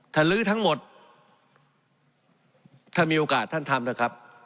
ถ้าลื้อทั้งหมดถ้ามีโอกาสท่านทำนะครับ